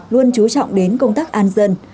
luôn chú trọng đến công tác an dân